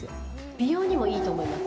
美容にもいいと思います。